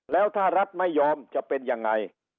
แล้วถ้ารัฐไม่ยอมจะเป็นยังไง